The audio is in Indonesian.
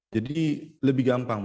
jadi lebih gampang